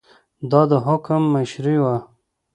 دا د حکم مشري وه.